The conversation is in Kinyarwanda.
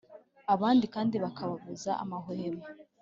abandi kandi bakababuza amahwemo